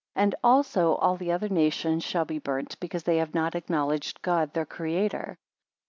And also all the other nations shall be burnt, because they have not acknowledged God their Creator.